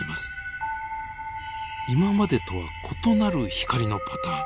今までとは異なる光のパターン。